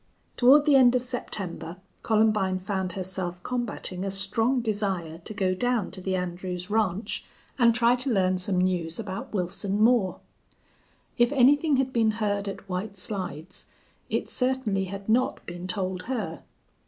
Toward the end of September Columbine found herself combating a strong desire to go down to the Andrews ranch and try to learn some news about Wilson Moore. If anything had been heard at White Slides it certainly had not been told her.